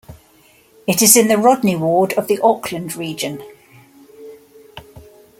It is in the Rodney Ward of the Auckland Region.